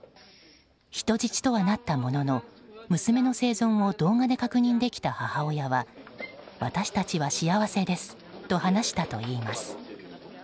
人質とはなったものの娘の生存を動画で確認できた母親は私たちは幸せですと話したといいます。